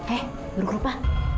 eh burung rupa